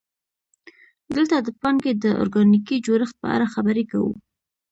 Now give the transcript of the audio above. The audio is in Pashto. دلته د پانګې د ارګانیکي جوړښت په اړه خبرې کوو